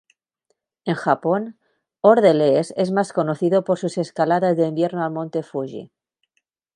En Japón, Orde-Lees es más conocido por sus escaladas de invierno al Monte Fuji.